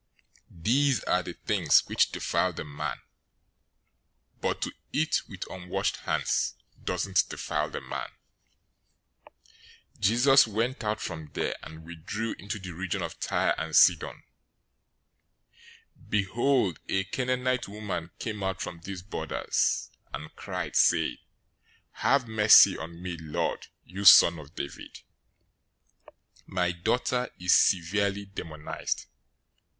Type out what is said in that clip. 015:020 These are the things which defile the man; but to eat with unwashed hands doesn't defile the man." 015:021 Jesus went out from there, and withdrew into the region of Tyre and Sidon. 015:022 Behold, a Canaanite woman came out from those borders, and cried, saying, "Have mercy on me, Lord, you son of David! My daughter is severely demonized!"